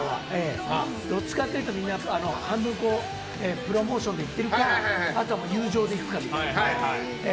どっちかというと半分プロモーションで行ってるかあとは友情で行くかみたいな。